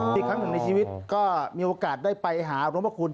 อีกครั้งหนึ่งในชีวิตก็มีโอกาสได้ไปหาหลวงพระคุณ